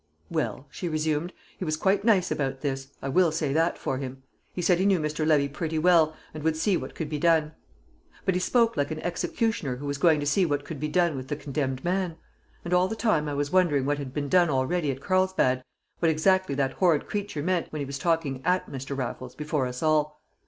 "Well," she resumed, "he was quite nice about this. I will say that for him. He said he knew Mr. Levy pretty well, and would see what could be done. But he spoke like an executioner who was going to see what could be done with the condemned man! And all the time I was wondering what had been done already at Carlsbad what exactly that horrid creature meant when he was talking at Mr. Raffles before us all.